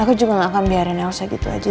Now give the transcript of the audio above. aku juga gak akan biarin elsa gitu aja